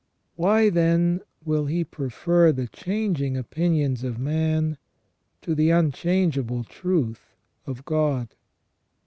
Why, then, will he prefer the changing opinions of man to the unchangeable truth of God?